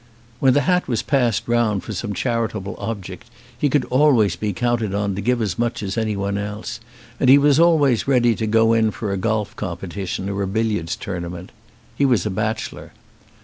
When the hat was passed round for some char itable object he could always be counted on to give as much as anyone else, and he was always ready to go in for a golf competition or a billiards tournament. He was a bachelor.